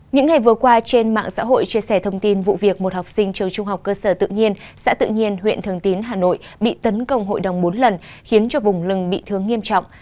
những ngày vừa qua trên mạng xã hội chia sẻ thông tin vụ việc một học sinh trường trung học cơ sở tự nhiên xã tự nhiên huyện thường tín hà nội bị tấn công hội đồng bốn lần khiến cho vùng lừng bị thương nghiêm trọng